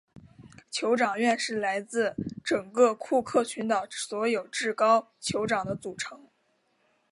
酋长院是来自整个库克群岛所有至高酋长的组成。